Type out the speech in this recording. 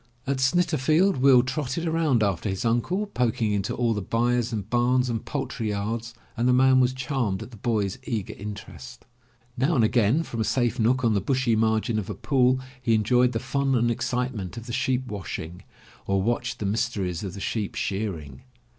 At Snitterfield Will trotted around after his uncle, poking into all the byres and bams and poultry yards, and the man was charmed at the boy's eager interest. Now and again from a safe nook on the bushy margin of a pool, he enjoyed the fun and excitement of the sheep washing, or watched the mys teries of the sheep shearing.